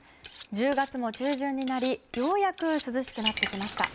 １０月も中旬になりようやく涼しくなってきました。